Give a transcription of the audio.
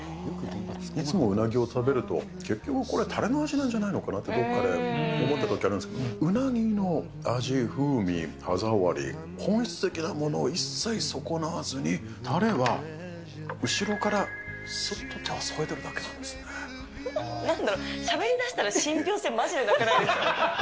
いつもうなぎを食べると、結局、これたれの味なんじゃないかなって、どこかで思ってたときあるんですけど、うなぎの味、風味、歯ざわり、本質的なものを一切損なわずに、たれは後ろからそっとなんだろ、しゃべりだしたら信ぴょう性、まじでなくないですか？